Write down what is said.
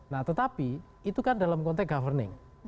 nah tetapi itu kan dalam konteks governing